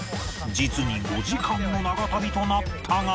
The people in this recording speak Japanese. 実に５時間の長旅となったが